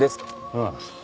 ああ。